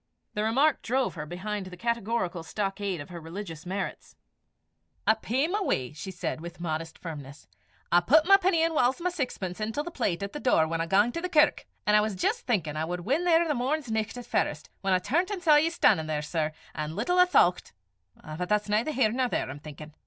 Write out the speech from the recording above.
The remark drove her behind the categorical stockade of her religious merits. "I pey my w'y," she said, with modest firmness. "I put my penny, and whiles my saxpence, intil the plate at the door whan I gang to the kirk an' I was jist thinkin' I wad win there the morn's nicht at farest, whan I turnt an' saw ye stan'in there, sir; an' little I thoucht but that's neither here nor there, I'm thinkin'.